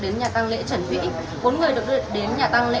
đến nhà tăng lễ trần vĩ bốn người được đến nhà tăng lễ